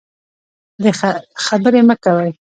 د خبرې مه کوئ.